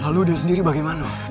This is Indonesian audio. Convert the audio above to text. lalu dia sendiri bagaimana